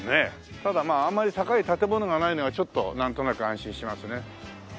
ただまああんまり高い建物がないのはちょっとなんとなく安心しますね。